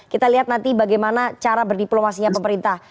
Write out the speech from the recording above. kita lihat nanti bagaimana cara berdiplomasinya pemerintah